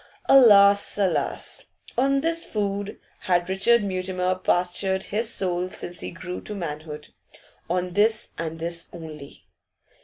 Alas, alas! On this food had Richard Mutimer pastured his soul since he grew to manhood, on this and this only.